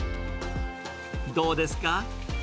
どうですか？